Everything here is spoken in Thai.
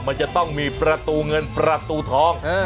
มันจะต้องมีประตูเงินประตูทอง